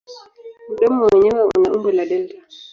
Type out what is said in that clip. Mdomo wenyewe una umbo la delta.